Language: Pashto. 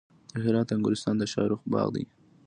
د هرات انګورستان د شاهرخ باغ دی